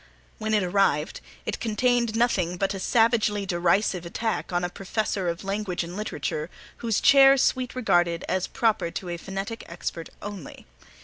When it arrived, it contained nothing but a savagely derisive attack on a professor of language and literature whose chair Sweet regarded as proper to a phonetic expert only.